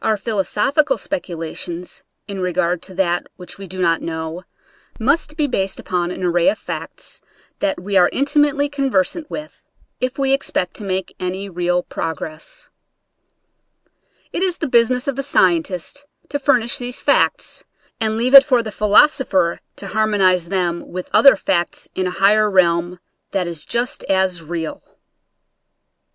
Our philosophical speculations in regard to that which we do not know must be based upon an array of facts that we are intimately con versant with, if we expect to make any real progress It is the business of the scientist to fur nish these facts, and leave it for the philos opher to harmonize them with other facts in a higher realm that is jusi; as real.